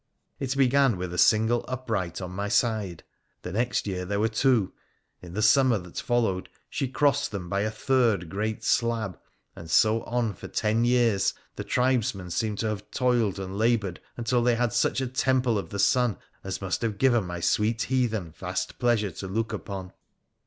It began with a single upright on my side. The next year there were two. In the summer that followed she crossed them by a third great slab, and so on for ten years the tribesmen seemed to have toiled and laboured until they had such a temple of the sun as must have given my sweet heathen vast nleasure to look uuon